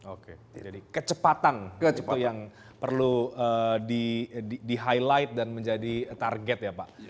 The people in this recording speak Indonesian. oke jadi kecepatan itu yang perlu di highlight dan menjadi target ya pak